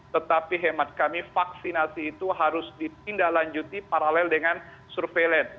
tetapi hemat kami vaksinasi itu harus ditindaklanjuti paralel dengan surveillance